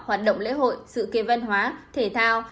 hoạt động lễ hội sự kiện văn hóa thể thao